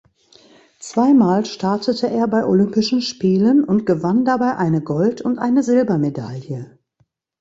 Zweimal startete er bei Olympischen Spielen und gewann dabei eine Gold- und eine Silbermedaille.